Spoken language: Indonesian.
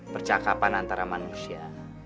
percakapan antara manusia